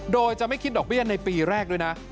โดยจะไม่คิดดอกเบี้ยในปีแรกด้วยนะ